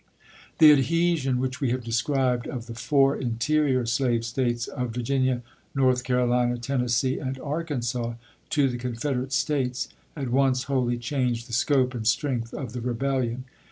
The adhesion which we have described of the four interior slave States of Vu ginia, North Caro lina, Tennessee, and Arkansas to the Confederate States at once wholly changed the scope and strength of the rebellion.